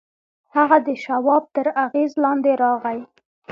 هغه د شواب تر اغېز لاندې راغی